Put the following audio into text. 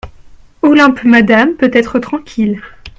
Olympe Madame peut être tranquille.